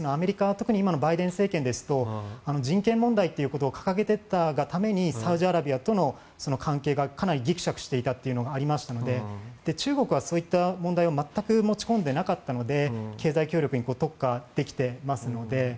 特に今のバイデン政権ですと人権問題ということを掲げていったがためにサウジアラビアとの関係がかなりギクシャクしていたというのがありましたので中国はそういった問題は全く持ち込んでいなかったので経済協力に特化できていますので。